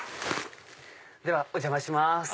ではお邪魔します。